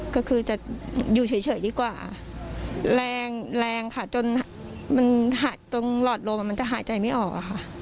ก็คือจะอยู่เฉยดีกว่าแรงแรงค่ะจนมันหักตรงหลอดลมมันจะหายใจไม่ออกอะค่ะ